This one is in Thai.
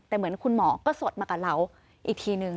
แต่เหมือนคุณหมอก็สดมากับเราอีกทีนึง